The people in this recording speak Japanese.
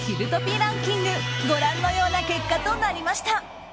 ランキングご覧のような結果となりました。